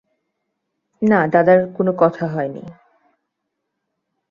না, দাদার কোনো কথা হয় নি।